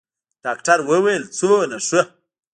ډاکتر وويل څومره ښه.